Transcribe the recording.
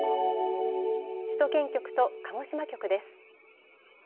首都圏局と鹿児島局です。